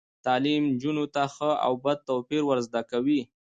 تعلیم نجونو ته د ښه او بد توپیر ور زده کوي.